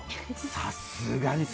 さすがに。